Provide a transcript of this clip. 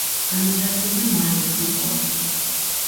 განვითარებულია მარილის მოპოვება.